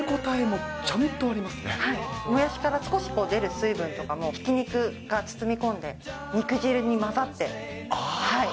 もやしから少し出る水分とかも、ひき肉が包み込んで、肉汁に混ざって。